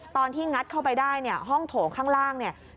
งัดเข้าไปได้เนี่ยห้องโถงข้างล่างเนี่ย